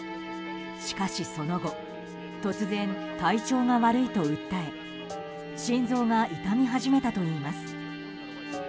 しかしその後突然、体調が悪いと訴え心臓が痛み始めたといいます。